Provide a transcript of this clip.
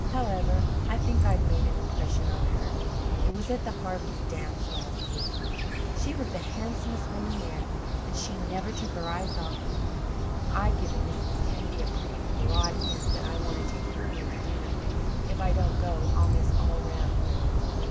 However, I think I've made an impression on her. It was at the Harvey's dance last week. She was the handsomest woman there, and she never took her eyes off me. I've given Mrs. Kennedy a pretty broad hint that I want to take her in to dinner. If I don't go I'll miss all round."